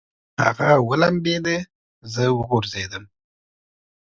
هغه ولمبېده، زه وغورځېدم.